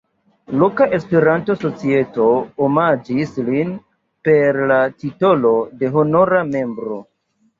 Loka Esperanto-societo omaĝis lin per la titolo de honora membro.